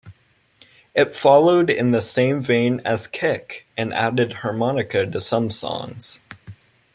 It followed in the same vein as "Kick", and added harmonica to some songs.